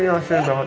ini asin banget